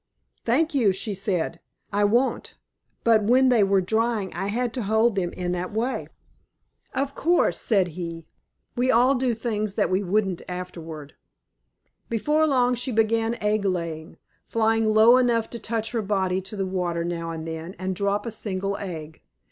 "Thank you," she said. "I won't. But when they were drying I had to hold them in that way." "Of course," said he. "We all do things then that we wouldn't afterward." Before long she began egg laying, flying low enough to touch her body to the water now and then and drop a single egg.